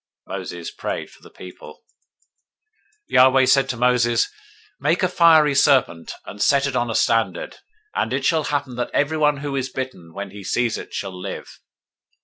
Moses prayed for the people. 021:008 Yahweh said to Moses, Make you a fiery serpent, and set it on a standard: and it shall happen, that everyone who is bitten, when he sees it, shall live.